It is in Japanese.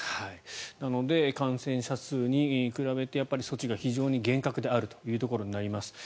なので感染者に比べて措置が非常に厳格であるというところであります。